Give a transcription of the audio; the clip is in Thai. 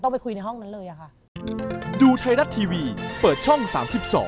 ไปคุยในห้องนั้นเลยอะค่ะ